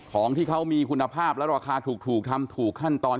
ของเขามีคุณภาพและราคาถูกทำถูกขั้นตอน